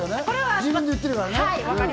自分で言ってるからね。